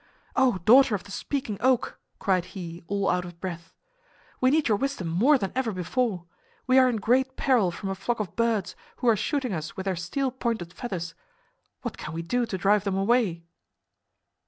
"O daughter of the Speaking Oak," cried he, all out of breath, "we need your wisdom more than ever before! We are in great peril from a flock of birds, who are shooting us with their steel pointed feathers. What can we do to drive them away?"